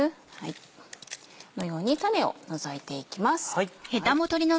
このように種を除いていきます。